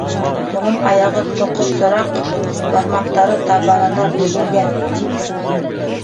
Уның аяғы тоҡо-сораҡ, бармаҡтары табанына бөгөлгән, — тине.